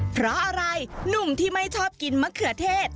เพราะอะไรหนุ่มที่ไม่ชอบกินมะเขือเทศ